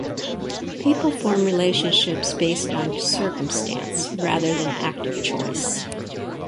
People form relationships based on circumstance rather than active choice.